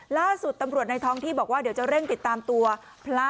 ล่าสุดตำรวจในท้องที่บอกว่าเดี๋ยวจะเร่งติดตามตัวพระ